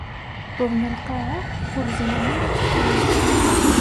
Wwḍen lqaɛa, ur zmiren ara ad d-kkren.